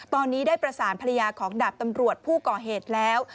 ตอนนี้ได้ประสานภรรยาของดาบตำรวจผู้ก่อเหตุแล้ว